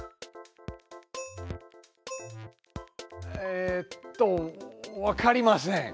えっとわかりません。